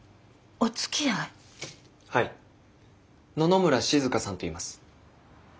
野々村静さんといいます。